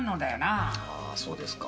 あそうですか。